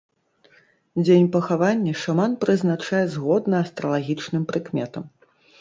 Дзень пахавання шаман прызначае згодна астралагічным прыкметам.